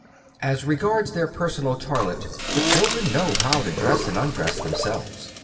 As regards their personal toilet, the children know how to dress and undress themselves.